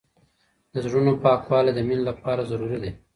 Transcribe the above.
د زړونو پاکوالی د مینې لپاره ضروري دی.